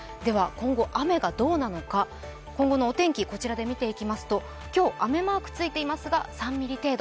雨がどうなのか、今後のお天気を見ていきますと今日、雨マークついていますが３ミリ程度。